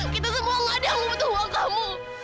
kita semua gak ada yang butuh uang kamu